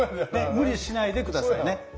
無理しないで下さいね。